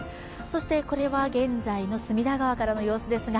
これは現在の隅田川からの様子です。